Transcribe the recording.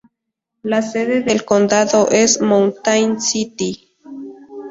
La sede del condado es Mountain City.